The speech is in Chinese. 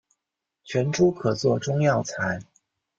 全株可做中药材。